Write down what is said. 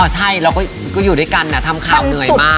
ใช่เราก็อยู่ด้วยกันทำข่าวเหนื่อยมาก